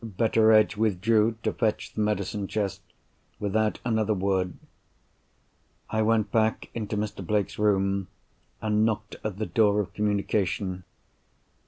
Betteredge withdrew to fetch the medicine chest, without another word. I went back into Mr. Blake's room, and knocked at the door of communication.